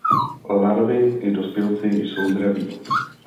Larvy i dospělci jsou draví.